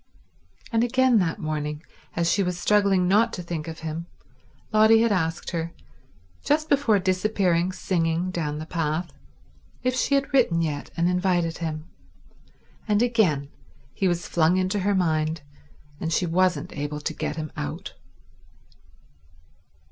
And again that morning, as she was struggling not to think of him, Lotty had asked her, just before disappearing singing down the path, if she had written yet and invited him, and again he was flung into her mind and she wasn't able to get him out.